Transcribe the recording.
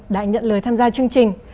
đã nhận lời tham gia chương trình